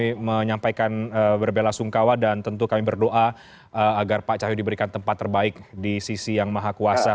kami menyampaikan berbela sungkawa dan tentu kami berdoa agar pak cahyo diberikan tempat terbaik di sisi yang maha kuasa